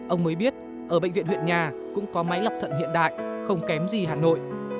ông mới biết ở bệnh viện huyện nhà cũng có máy lọc thận hiện đại không kém gì hà nội